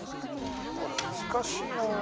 これ難しいなあ。